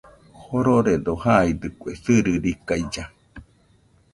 Jororedo jaidɨkue sɨrɨrikailla.